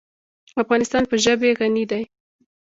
افغانستان په ژبې غني دی.